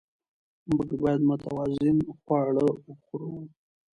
موږ باید متوازن خواړه وخورو